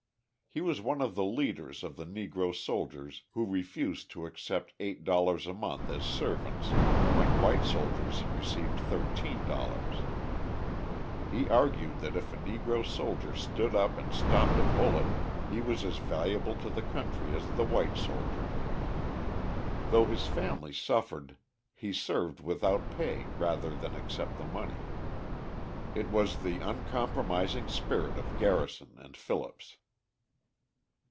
He was one of the leaders of the Negro soldiers who refused to accept $8 a month as servants when white soldiers received $13. He argued that if a Negro soldier stood up and stopped a bullet, he was as valuable to the country as the white soldier. Though his family suffered, he served without pay rather than accept the money. It was the uncompromising spirit of Garrison and Phillips.